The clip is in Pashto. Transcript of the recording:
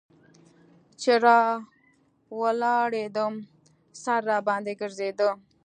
چې راولاړېدم سر راباندې ګرځېده.